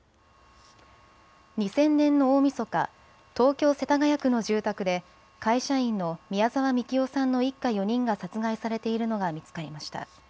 ２０００年の大みそか、東京世田谷区の住宅で会社員の宮沢みきおさんの一家４人が殺害されているのが見つかりました。